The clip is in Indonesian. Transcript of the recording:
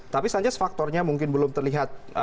tapi sains faktornya mungkin belum terlihat